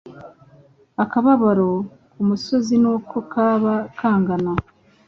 akababaro kumusozi nuko kaba kangana